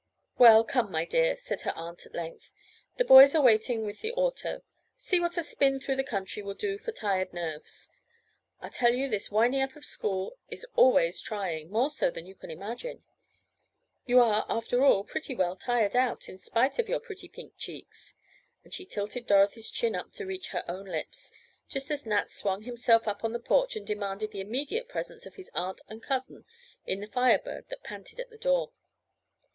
"Well, come, my dear," said her aunt at length. "The boys are waiting with the auto. See what a spin through the country will do for tired nerves. I tell you this winding up of school is always trying—more so than you can imagine. You are, after all, pretty well tired out, in spite of your pretty pink cheeks," and she tilted Dorothy's chin up to reach her own lips, just as Nat swung himself up on the porch and demanded the immediate presence of his aunt, and cousin, in the Fire Bird that panted at the door.